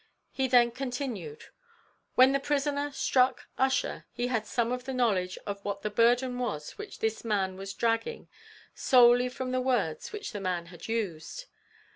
He then continued, "When the prisoner struck Ussher, he had come to the knowledge of what the burden was which this man was dragging, solely from the words which the man had used.